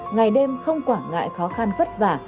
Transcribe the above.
ngày đêm không quảng ngại khó khăn vất vả